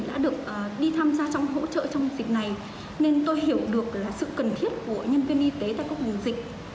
đã được đi tham gia trong hỗ trợ trong dịp này nên tôi hiểu được là sự cần thiết của nhân viên y tế tại các vùng dịch